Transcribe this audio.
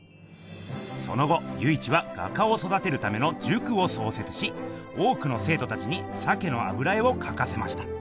その後由一は画家をそだてるための塾を創設し多くの生とたちに鮭の油絵をかかせました。